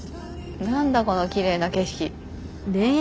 何だこのキレイな景色！